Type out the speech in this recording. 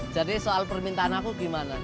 jadi soal permintaan aku gimana